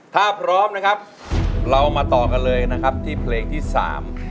ถ้าพร้อมนะครับเรามาต่อกันเลยนะครับที่เพลงที่สาม